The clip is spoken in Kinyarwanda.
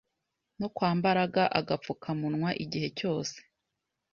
no kwambaraga agapfukamunwa igihe cyose